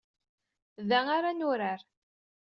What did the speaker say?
Da ara nurar.